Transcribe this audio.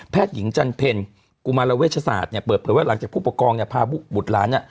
แพทย์หญิงจันเพลล์กุมาลวิชาศาสน์หรือว่าหลังจากผู้ปกครองพาบุตรร้าน